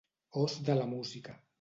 Os de la música.